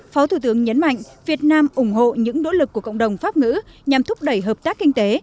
phó thủ tướng nhấn mạnh việt nam ủng hộ những nỗ lực của cộng đồng pháp ngữ nhằm thúc đẩy hợp tác kinh tế